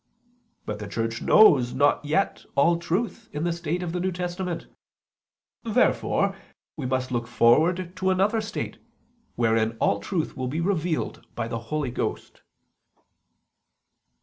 But the Church knows not yet all truth in the state of the New Testament. Therefore we must look forward to another state, wherein all truth will be revealed by the Holy Ghost.